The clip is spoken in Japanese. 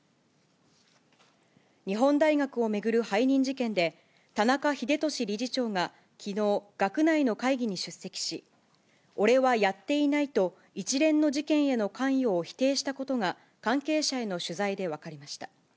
日本大学を巡る背任事件で、田中英壽理事長がきのう、学内の会議に出席し、俺はやっていないと、一連の事件への関与を否定したことが、関係者への取材で分かりました。